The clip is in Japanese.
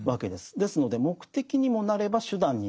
ですので目的にもなれば手段になる。